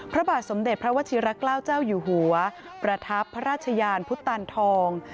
พระบาทสมเด็จพระวชิระเกล้าเจ้าอยู่หัวประทับพระราชยานพุทธตานทอง